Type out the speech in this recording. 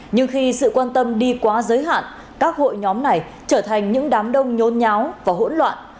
nhưng khi sự quan tâm đi quá giới hạn các hội nhóm này trở thành những đám đông nhôn nháo và hỗn loạn